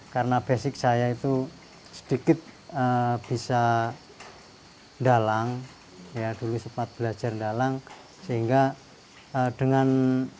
karena basic saya itu sedikit bisa dalang ya dulu sempat belajar dalang sehingga dengan